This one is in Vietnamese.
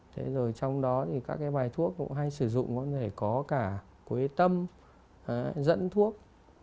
thế rồi trong đó thì các cái bài thuốc cũng hay sử dụng có thể có cả cuối tâm dẫn thuốc